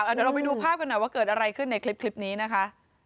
เดี๋ยวเราไปดูภาพกันหน่อยว่าเกิดอะไรขึ้นในคลิปนี้นะคะ